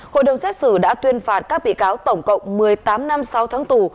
hội đồng xét xử đã tuyên phạt các bị cáo tổng cộng một mươi tám năm sáu tháng tù